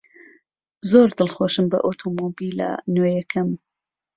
زۆر دڵخۆشم بە ئۆتۆمۆبیلە نوێیەکەم.